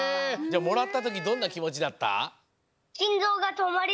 じゃもらったときどんなきもちだった？